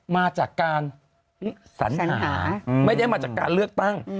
มาจากการสัญหาไม่ได้มาจากการเลือกตั้ง